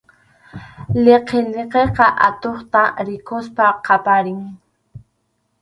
Liqiliqiqa atuqta rikuspas qaparin.